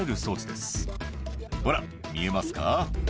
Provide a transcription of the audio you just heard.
「ほら見えますか？」